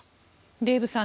デーブさん